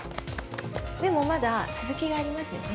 でもまだ続きがありますよね？